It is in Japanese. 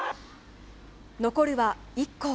残るは１校。